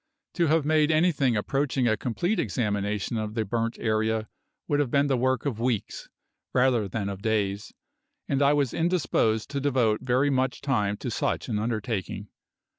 To have made anything approaching a complete examination of the burnt area would have been the work of weeks, rather than of days, and I was indisposed to devote very much time to such an undertaking.